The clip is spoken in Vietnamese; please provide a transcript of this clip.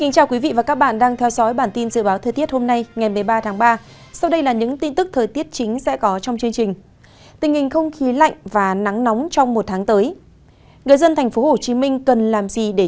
các bạn hãy đăng ký kênh để ủng hộ kênh của chúng mình nhé